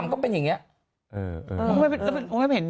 โอ๊ยไปยกมัน